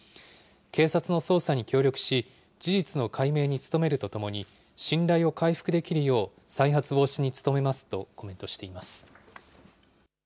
警察の捜査に協力し、事実の解明に努めるとともに、信頼を回復できるよう再発防止に努めますとコメントしています。